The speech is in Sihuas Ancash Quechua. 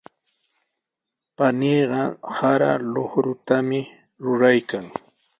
Paniiqa sara luqrutami ruraykan.